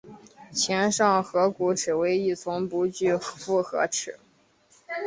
前上颌骨齿为一丛不具复合齿。